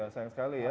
sayang sekali ya